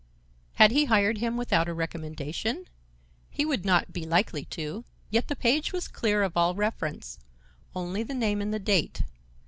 "Had he hired him without a recommendation? He would not be likely to, yet the page was clear of all reference; only the name and the date.